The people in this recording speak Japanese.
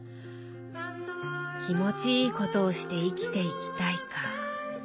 「気持ちいいことをして生きていきたい」か。